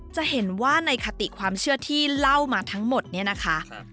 จะเห็นว่าในคติความเชื่อที่เล่ามาทั้งหมดเนี่ยนะคะ